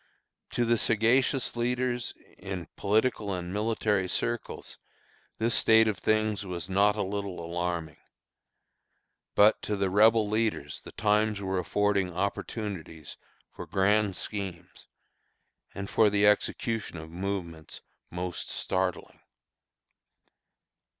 To the sagacious leaders in political and military circles this state of things was not a little alarming. But to the Rebel leaders the times were affording opportunities for grand schemes, and for the execution of movements most startling.